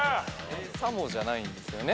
「さも」じゃないんですよね。